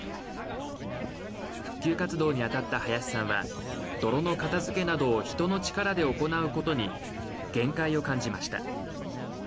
復旧活動に当たった林さんは泥の片づけなどを人の力で行うことに限界を感じました。